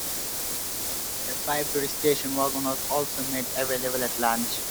A five-door station wagon was also made available at launch.